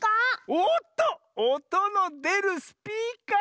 おっとおとのでるスピーカー！